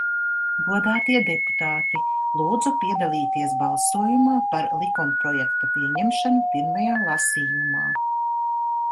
Godātie deputāti, lūdzu piedalīties balsojumā par likumprojekta pieņemšanu pirmajā lasījumā!